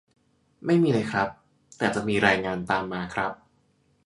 ไม่มีเลยครับ แต่จะมีรายงานตามมาครับ